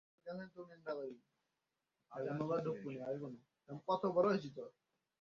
আর আজই ফিরে এসেছে।